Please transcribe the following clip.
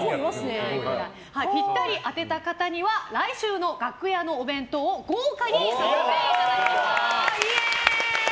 ぴったり当てた方には来週の楽屋のお弁当を豪華にさせていただきます！